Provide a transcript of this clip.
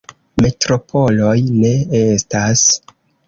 Metropoloj ne estas.